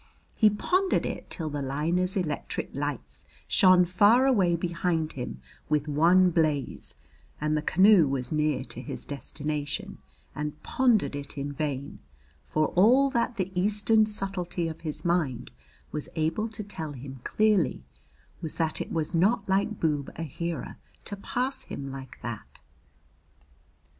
He pondered it till the liner's electric lights shone far away behind him with one blaze and the canoe was near to his destination, and pondered it in vain, for all that the eastern subtlety of his mind was able to tell him clearly was that it was not like Boob Aheera to pass him like that.